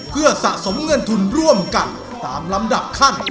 เพื่อสะสมเงินทุนร่วมกันตามลำดับขั้น